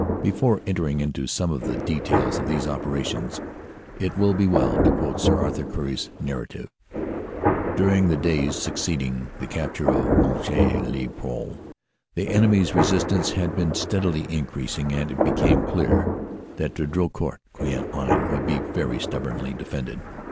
Before entering into some of the details of these operations it will be well to quote Sir Arthur Currie s narrative : "During the days succeeding the capture of Monchy le Preux the enemy s resistance had been steadily increasing, and it became clear that the Drocourt Queant line would be very stubbornly defended.